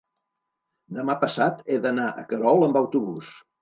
demà passat he d'anar a Querol amb autobús.